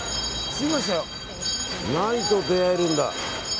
何と出会えるんだ。